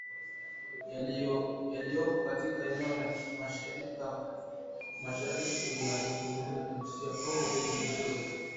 Yaliyopo katika eneo la mashariki mwa Jamuhuri ya Kidemokrasia ya Kongo lenye mzozo